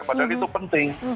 padahal itu penting